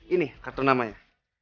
ini kartu namanya